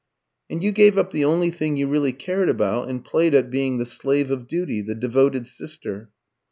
"And you gave up the only thing you really cared about, and played at being the slave of duty, the devoted sister."